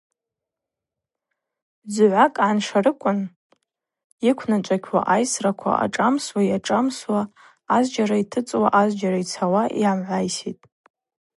Згӏвакӏ гӏаншарыквын йыквначӏвакьуа, айсраква ашӏамсуа, йашӏамсуа азджьара йтыцӏуа азджьара йцауа йгӏамгӏвайстӏ.